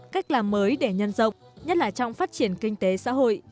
cách làm mới để nhân rộng nhất là trong phát triển kinh tế xã hội